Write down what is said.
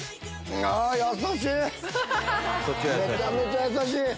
めちゃめちゃやさしい！